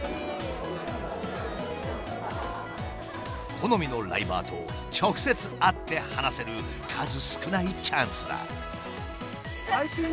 好みのライバーと直接会って話せる数少ないチャンスだ。